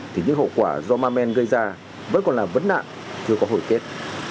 thì những hậu quả do ma men gây ra vẫn còn là vấn nạn chưa có hồi kết